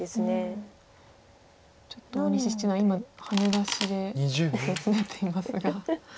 ちょっと大西七段今ハネ出しで頬をつねっていますが。